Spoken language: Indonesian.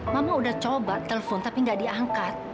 mama udah coba telepon tapi gak diangkat